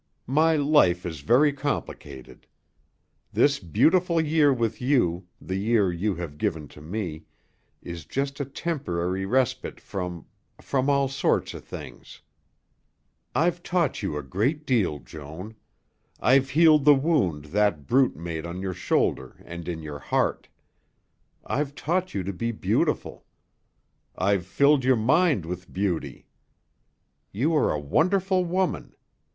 My life is very complicated. This beautiful year with you, the year you have given to me, is just a temporary respite from from all sorts of things. I've taught you a great deal, Joan. I've healed the wound that brute made on your shoulder and in your heart. I've taught you to be beautiful. I've filled your mind with beauty. You are a wonderful woman.